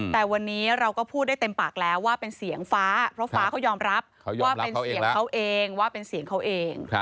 แต่วันนี้เราก็พูดได้เต็มปากแล้วว่าเป็นเสียงฟ้าเพราะฟ้าเขายอมรับว่าเป็นเสียงเขาเอง